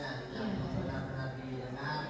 yang benar benar didengar